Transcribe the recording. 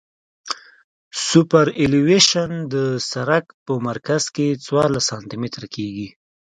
سوپرایلیویشن د سرک په مرکز کې څوارلس سانتي متره کیږي